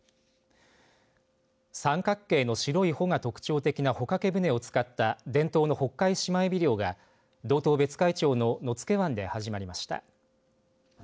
三角形の白い帆が特徴的な帆掛け舟を使った伝統のホッカイシマエビ漁が道東別海町の野付湾で始まりました。